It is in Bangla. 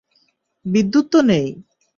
বিদ্যুৎ তো নেই!